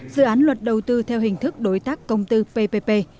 dự án luật đầu tư theo hình thức đối tác công tư ppp